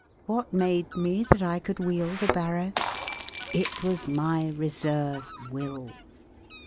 What made me that I could wheel the barrow? It was my reserve will."